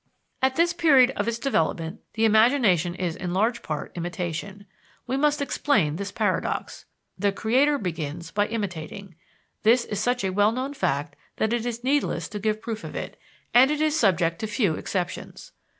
At this period of its development the imagination is in large part imitation. We must explain this paradox. The creator begins by imitating: this is such a well known fact that it is needless to give proof of it, and it is subject to few exceptions.